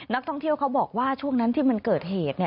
นักท่องเที่ยวเขาบอกว่าช่วงนั้นที่มันเกิดเหตุ